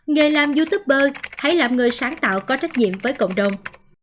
nghề làm youtuber hãy làm người sáng tạo có trách nhiệm với cộng đồng